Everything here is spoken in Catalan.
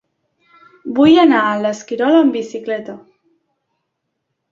Vull anar a l'Esquirol amb bicicleta.